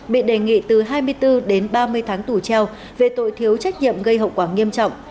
bị đề nghị từ hai mươi bốn đến ba mươi tháng tù treo về tội thiếu trách nhiệm gây hậu quả nghiêm trọng